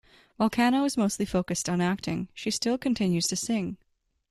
While Kanno is mostly focused on acting, she still continues to sing.